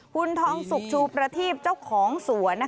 คุณทองสุกชูประทีบเจ้าของสวน